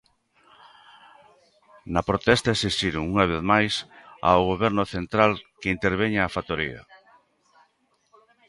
Na protesta esixiron unha vez máis ao Goberno Central que interveña a factoría.